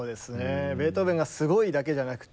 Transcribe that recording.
ベートーベンがすごいだけじゃなくて